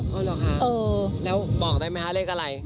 เอาเหรอคะแล้วบอกได้ไหมคะเลขอะไร